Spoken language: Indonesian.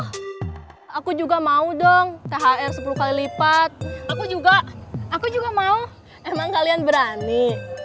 hai aku juga mau dong thr sepuluh kali lipat aku juga aku juga mau emang kalian berani